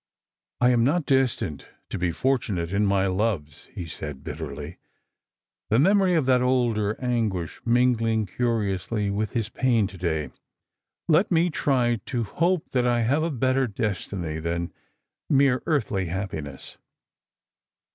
" I am not destined to be fortunate in my loves," he said bitterly, the memory of that older anguish mingling curiously with his pain to day ;" let me try to hope that I have a better destiny than mere earthly happiness."